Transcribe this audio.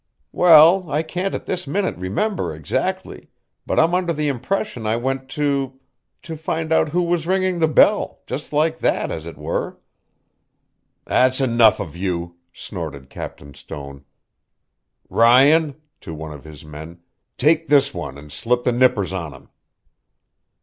"Well, I can't at this minute remember exactly, but I'm under the impression I went to to find out who was ringing the bell, just like that, as it were." "That's enough of you," snorted Captain Stone. "Ryan (to one of his men) take this one and slip the nippers on him."